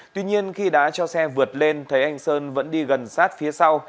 tuy nhiên khi đã cho xe vượt lên thấy anh sơn vẫn đi gần sát phía sau